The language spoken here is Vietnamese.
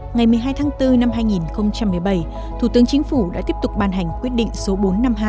ngày một mươi hai tháng bốn năm hai nghìn một mươi bảy thủ tướng chính phủ đã tiếp tục ban hành quyết định số bốn trăm năm mươi hai